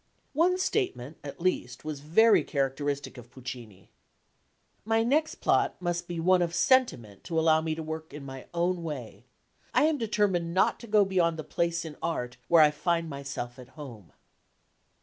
One statement at least was very characteristic of Puccini. "My next plot must be one of sentiment to allow me to work in my own way. I am determined not to go beyond the place in art where I find myself at home."